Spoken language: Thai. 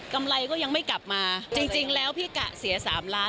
ไรก็ยังไม่กลับมาจริงแล้วพี่กะเสีย๓ล้าน